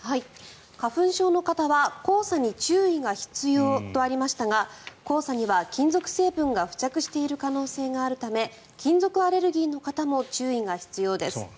花粉症の方は黄砂に注意が必要とありましたが黄砂には、金属成分が付着している可能性があるため金属アレルギーの方も注意が必要です。